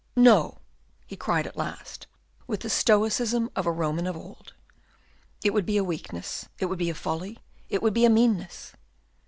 "No!" he cried at last, with the stoicism of a Roman of old, "it would be a weakness, it would be a folly, it would be a meanness!